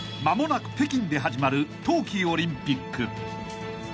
［間もなく北京で始まる冬季オリンピック］